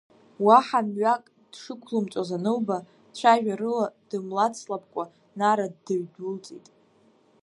Уаҳа мҩак дшықәлымҵоз анылба, цәажәарыла дымлацлабкәа, Нара дыҩдәылҵит.